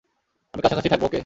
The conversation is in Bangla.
আমি কাছাকাছিই থাকবো, ওকে?